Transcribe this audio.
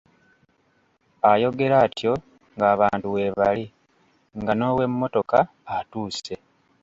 Ayogera atyo nga abantu weebali, nga n'ow'emmotoka atuuse.